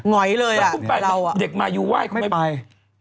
เงยเลยอะเราแล้วคุณแปลกว่าเด็กมายูไหว้คุณไหมไม่ไป